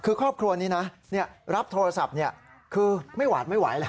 คือครอบครัวนี้นะรับโทรศัพท์คือไม่หวาดไม่ไหวแล้ว